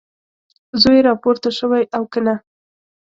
زوی یې راپورته شوی او که نه؟